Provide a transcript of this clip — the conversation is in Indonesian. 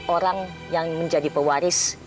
orang yang menjadi pewaris